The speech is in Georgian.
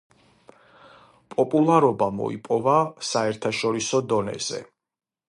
პოპულარობა მოიპოვა საერთაშორისო დონეზე.